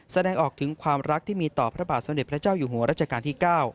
แสดงออกถึงความรักที่มีต่อพระบาทสมเด็จพระเจ้าอยู่หัวรัชกาลที่๙